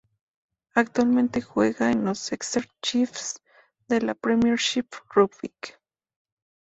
Actualmente juega en los Exeter Chiefs de la Premiership Rugby.